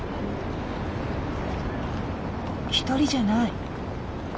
１人じゃない。